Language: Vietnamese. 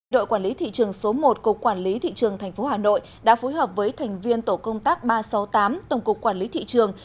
đội quản lý thị trường số một cục quản lý thị trường tp hà nội đã phối hợp với thành viên tổ công tác ba trăm sáu mươi tám tổng cục quản lý thị trường